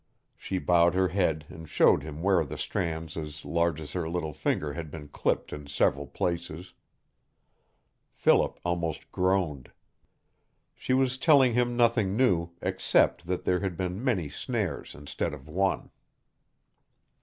She bowed her head and showed him where strands as large as her little finger had been clipped in several places. Philip almost groaned. She was telling him nothing new, except that there had been many snares instead of one.